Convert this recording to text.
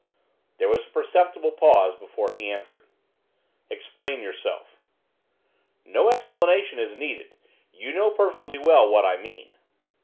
There was a perceptible pause before he answered. 'Explain yourself.' 'No explanation is needed, you know perfectly well what I mean.